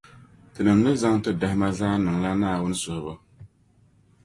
tinim’ ni zaŋ ti dahima zaa n-niŋla Naawuni suhibu.